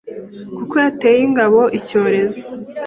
kuko yateye ingabo icyorezo.